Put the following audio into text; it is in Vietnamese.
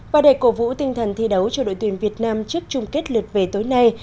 và để cổ vũ tinh thần thi đấu cho đội tuyển việt nam trước chung kết lượt về tối nay